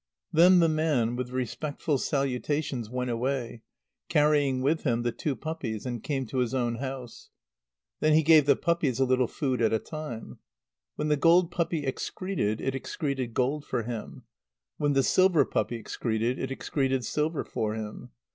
Then the man, with respectful salutations, went away, carrying with him the two puppies, and came to his own house. Then he gave the puppies a little food at a time. When the gold puppy excreted, it excreted gold for him. When the silver puppy excreted, it excreted silver for him.